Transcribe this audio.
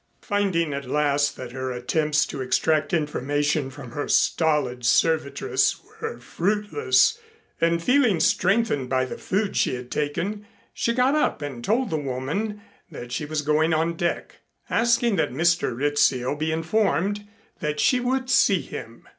Finding at last that her attempts to extract information from her stolid servitress were fruitless, and feeling strengthened by the food she had taken, she got up and told the woman that she was going on deck, asking that Mr. Rizzio be informed that she would see him.